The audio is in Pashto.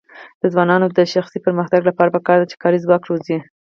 د ځوانانو د شخصي پرمختګ لپاره پکار ده چې کاري ځواک روزي.